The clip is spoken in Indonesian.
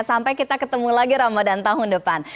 sampai kita ketemu lagi ramadan tahun depan